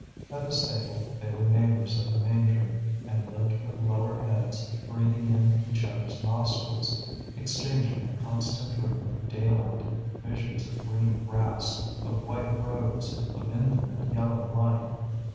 At the stable they were neighbours at the manger, and lived with lowered heads, breathing in each other's nostrils, exchanging a constant dream of daylight, visions of green grass, of white roads, of infinite yellow light.